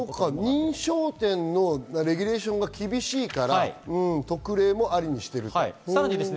認証店のレギュレーションが厳しいから特例ありにしてるんですね。